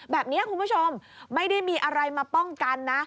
แบบนี้คุณผู้ชมไม่ได้มีอะไรมาป้องกันนะ